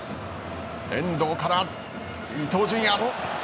遠藤から伊東純也。